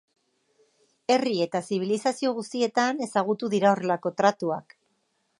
Herri eta zibilizazio guztietan ezagutu dira horrelako tratuak.